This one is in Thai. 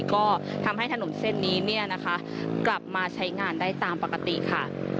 ก็ทำให้ถนนเส้นนี้เนี่ยนะคะกลับมาใช้งานได้ตามปกติค่ะ